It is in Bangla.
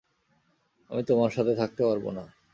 আমি তোমার সাথে থাকতে পারব না।